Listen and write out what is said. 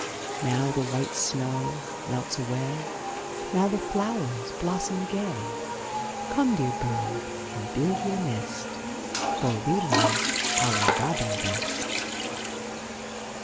Now the white snow melts away; Now the flowers blossom gay: Come dear bird and build your nest, For we love our robin best.